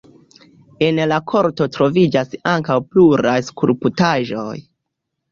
En la korto troviĝas ankaŭ pluraj skulptaĵoj.